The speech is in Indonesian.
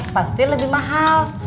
pasti lebih mahal